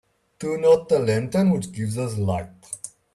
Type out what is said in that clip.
Turn out the lantern which gives us light.